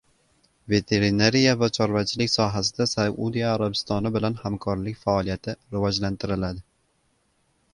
Veterinariya va chorvachilik sohasida Saudiya Arabistoni bilan hamkorlik faoliyati rivojlantiriladi